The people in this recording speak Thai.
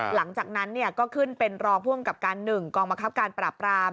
หลังจากนั้นเนี่ยก็ขึ้นเป็นรองผู้มันกลับการ๑กองมะคับการปรับปราม